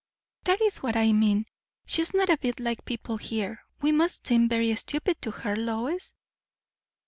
"That is what I mean. She is not a bit like people here. We must seem very stupid to her, Lois."